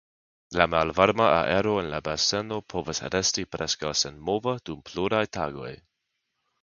La malvarma aero en la baseno povas resti preskaŭ senmova dum pluraj tagoj.